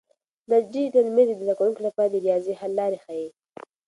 دا ډیجیټل مېز د زده کونکو لپاره د ریاضي حل لارې ښیي.